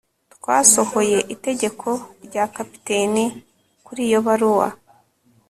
twasohoye itegeko rya capitaine kuri iyo baruwa